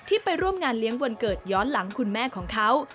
ไปร่วมงานเลี้ยงวันเกิดย้อนหลังคุณแม่ของเขา